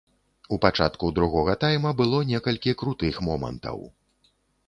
У пачатку другога тайма было некалькі крутых момантаў.